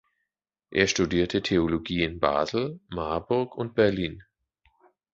Er studierte Theologie in Basel, Marburg und Berlin.